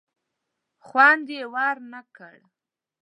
خوند یې ور نه کړ.